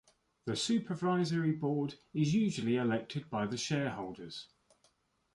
The Supervisory board is usually elected by the Shareholders.